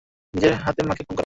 নিজের হাতে মাকে খুন কর।